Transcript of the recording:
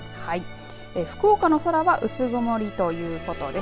福岡の空は薄曇りということです。